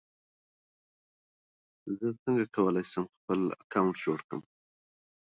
څنګه مرسته کوی شم؟